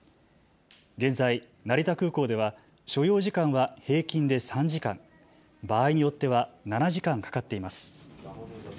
現在、成田空港では所要時間は平均で３時間、場合によっては７時間かかっています。